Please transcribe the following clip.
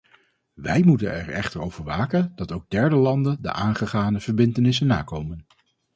Wij moeten er echter over waken dat ook derde landen de aangegane verbintenissen nakomen.